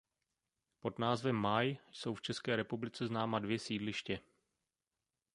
Pod názvem Máj jsou v České republice známa dvě sídliště.